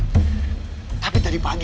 tapi tadi pagi dia datang ke rumahku